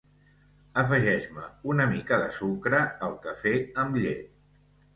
Afegeix-me una mica de sucre al cafè amb llet